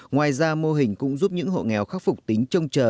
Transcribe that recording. ngoài ra mô hình cũng giúp những hộ nghèo khắc phục tính trông chờ